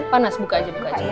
panas buka aja